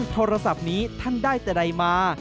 โทรศัพท์นี้ท่านได้แต่ใดมา